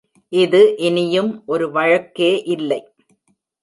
இது இனியும் ஒரு வழக்கே இல்லை.